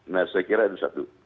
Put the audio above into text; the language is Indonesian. nah saya kira itu satu